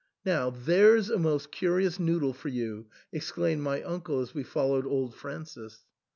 " Now there's a most curious noodle for you !" exclaimed my uncle as we followed old Francis.